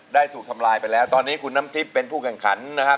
ถูกทำลายไปแล้วตอนนี้คุณน้ำทิพย์เป็นผู้แข่งขันนะครับ